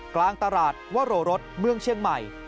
กลางตลาดวโรรสเมืองเชียงใหม่